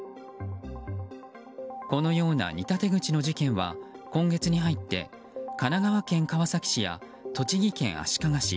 このような似た手口の事件は今月に入って神奈川県川崎市や栃木県足利市